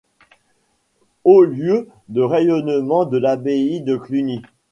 Haut lieu de rayonnement de l'abbaye de Cluny.